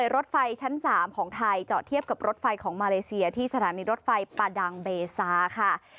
รถไฟชั้น๓ของไทยจอดเทียบกับรถไฟของมาเลเซียที่สถานีรถไฟปาดังเบซาค่ะ